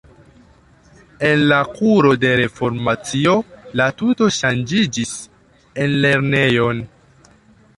En la kuro de Reformacio la tuto ŝanĝiĝis en lernejon.